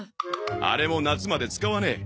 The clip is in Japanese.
あれも夏まで使わねえ。